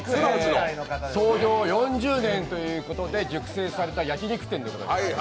創業４０年ということで熟成された焼き肉店でございます。